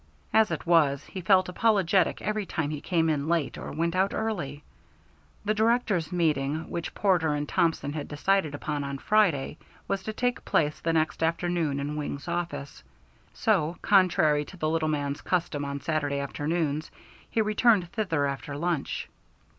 As it was, he felt apologetic every time he came in late or went out early. The directors' meeting which Porter and Thompson had decided upon on Friday was to take place the next afternoon in Wing's office; so, contrary to the little man's custom on Saturday afternoons, he returned thither after lunch.